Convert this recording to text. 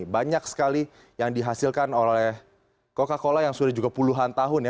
banyak sekali yang dihasilkan oleh coca cola yang sudah juga puluhan tahun ya